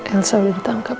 elsa udah ditangkap